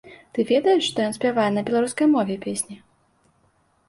Ты ведаеш, што ён спявае на беларускай мове песні?